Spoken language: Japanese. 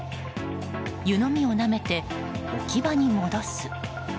湯飲みをなめて置き場に戻す。